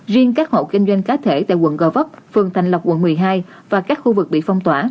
riêng các hộ kinh doanh cá thể tại quận gò vấp phường thành lộc quận một mươi hai và các khu vực bị phong tỏa